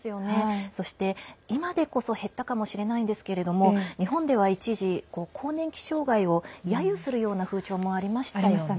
今でこそ減ったかもしれないんですけれど日本では一時、更年期障害をやゆするような風潮もありましたよね。